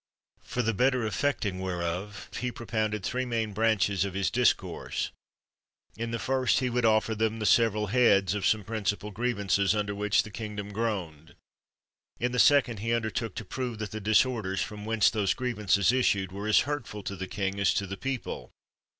For the better effecting whereof, he propounded three main branches of his discourse : In the first, he would offer them the several heads of some principal grievances, under which the king dom groaned. In the second, he undertook to prove that the disorders from whence those grievances issued, were as hurtful to the king as to the people.